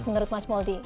menurut mas moldi